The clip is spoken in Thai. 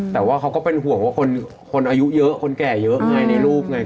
แต่ว่าเขาก็เป็นห่วงว่าคนอายุเยอะคนแก่เยอะไงในลูกไง